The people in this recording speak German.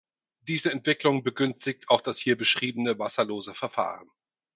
Diese Entwicklung begünstigt auch das hier beschriebene wasserlose Verfahren.